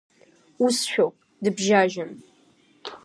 Усшәоуп, дыбжьажьон.